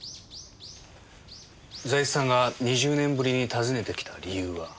財津さんが２０年ぶりに訪ねてきた理由は？